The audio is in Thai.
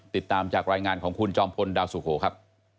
ติดตามจากรายงานของคุณจอมพลดาวสุโขครับ